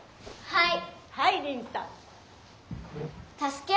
はい！